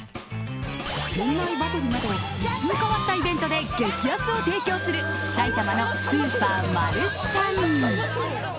店内バトルなど一風変わったイベントで激安を提供する埼玉のスーパーマルサン。